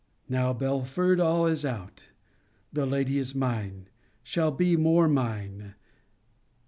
Now, Belford, all is out. The lady is mine; shall be more mine.